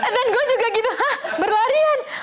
dan gue juga gitu berlarian